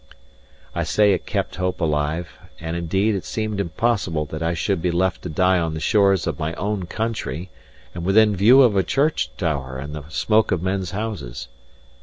I say it kept hope alive; and indeed it seemed impossible that I should be left to die on the shores of my own country, and within view of a church tower and the smoke of men's houses.